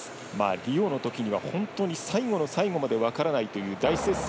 リオのときには本当に最後の最後まで分からないという大接戦。